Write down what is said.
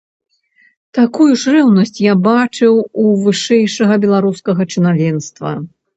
Такую ж рэўнасць я бачыў у вышэйшага беларускага чынавенства.